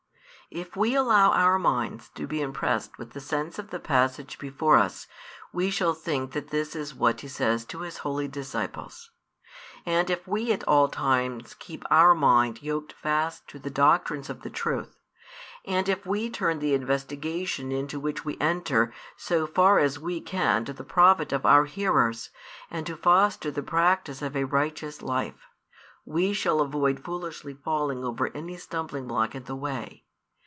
If we allow our minds to be impressed with the sense of the passage before us, we shall think that this is what He says to His holy disciples. And if we at all times keep our mind yoked fast to the doctrines of the truth, and if we turn the investigation into which we enter so far as we can to the profit of our hearers and to foster the practice of a righteous life, we shall avoid foolishly falling over any stumblingblock in the way.